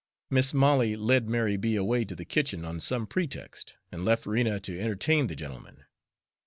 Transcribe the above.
Mis' Molly led Mary B. away to the kitchen on some pretext, and left Rena to entertain the gentleman.